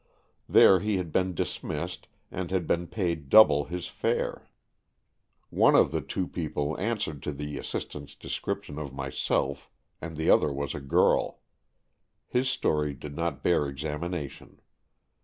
There he had been dismissed and had been paid double his fare. One of the two people answered to the assistant's description of myself, and the other was a girl. His story did not bear examination.